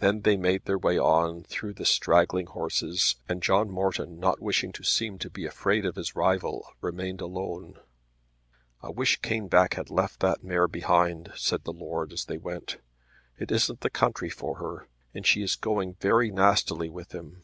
Then they made their way on through the straggling horses, and John Morton, not wishing to seem to be afraid of his rival, remained alone. "I wish Caneback had left that mare behind," said the lord as they went. "It isn't the country for her, and she is going very nastily with him.